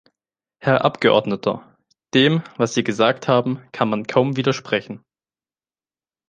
Herr Abgeordneter, dem, was Sie gesagt haben, kann man kaum widersprechen.